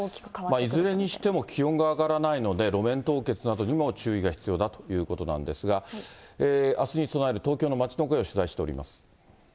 いずれにしても、気温が上がらないので、路面凍結などにも注意が必要だということなんですが、あすに備える東京の街の声を取材しております。